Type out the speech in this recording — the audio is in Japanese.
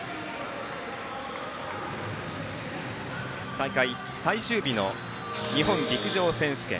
大会最終日の日本陸上選手権。